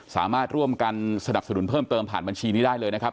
สามารถร่วมกันสนับสนุนเพิ่มเติมผ่านบัญชีนี้ได้เลยนะครับ